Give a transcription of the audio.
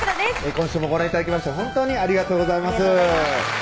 今週もご覧頂きまして本当にありがとうございます